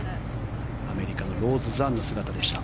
アメリカのローズ・ザンの姿でした。